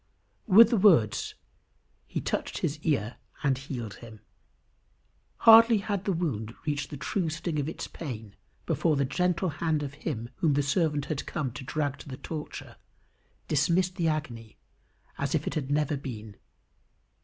With the words, "he touched his ear and healed him." Hardly had the wound reached the true sting of its pain, before the gentle hand of him whom the servant had come to drag to the torture, dismissed the agony as if it had never been.